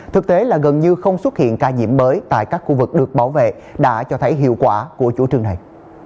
thực tế là gần như không xuất hiện ca nhiễm mới tại các khu vực được bảo vệ đã cho thấy hiệu quả của chủ trương này